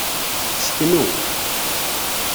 Seknu.